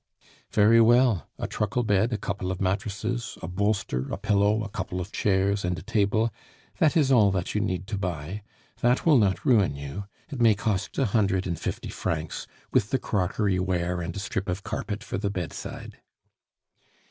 "Very well. A truckle bed, a couple of mattresses, a bolster, a pillow, a couple of chairs, and a table that is all that you need to buy. That will not ruin you it may cost a hundred and fifty francs, with the crockeryware and strip of carpet for the bedside."